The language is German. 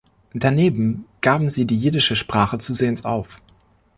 Daneben gaben sie die jiddische Sprache zusehends auf.